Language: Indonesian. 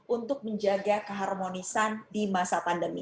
untuk menjaga keharmonisan di masa pandemi